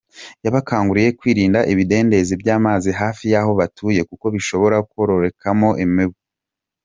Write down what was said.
Yabakanguriye kwirinda ibidendezi by’amazi hafi y’aho batuye kuko bishobora kororokeramo imibu.